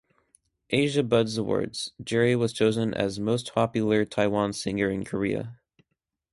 Asia Buzz Awards, Jerry was chosen as "Most Popular Taiwan Singer in Korea".